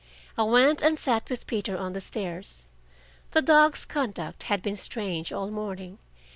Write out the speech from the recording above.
I went and sat with Peter on the stairs. The dog's conduct had been strange all morning.